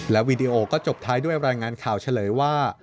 วีดีโอก็จบท้ายด้วยรายงานข่าวเฉลยว่า